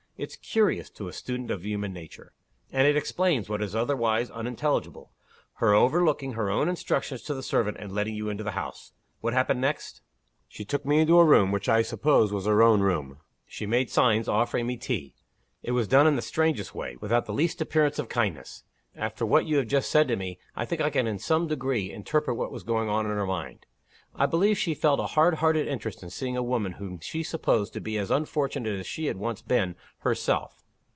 It's curious to a student of human nature. And it explains, what is otherwise unintelligible her overlooking her own instructions to the servant, and letting you into the house. What happened next?" "She took me into a room, which I suppose was her own room. She made signs, offering me tea. It was done in the strangest way without the least appearance of kindness. After what you have just said to me, I think I can in some degree interpret what was going on in her mind. I believe she felt a hard hearted interest in seeing a woman whom she supposed to be as unfortunate as she had once been herself.